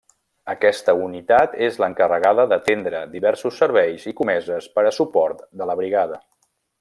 Aquesta Unitat és l'encarregada d'atendre diversos serveis i comeses per a suport de la Brigada.